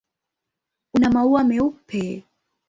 Una maua meupe.